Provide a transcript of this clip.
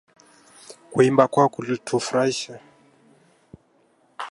Kuimba kwao kulitufurahisha